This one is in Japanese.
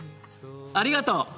ありがとう。